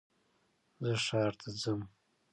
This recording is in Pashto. زه ښار ته ځم